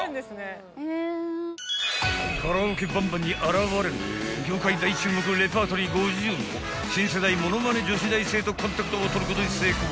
［カラオケＢａｎＢａｎに現れる業界大注目レパートリー５０の新世代ものまね女子大生とコンタクトを取ることに成功］